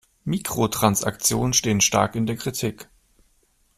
Mikrotransaktionen stehen stark in der Kritik.